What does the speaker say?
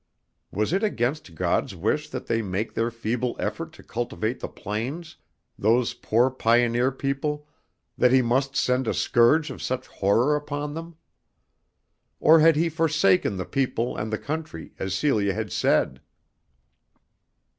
Was it against God's wish that they make their feeble effort to cultivate the plains, those poor pioneer people, that He must send a scourge of such horror upon them? Or had He forsaken the people and the country, as Celia had said?